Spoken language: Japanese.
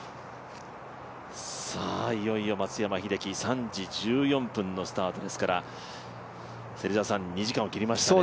いよいよ松山英樹、３時１４分のスタートですから、２時間を切りましたね。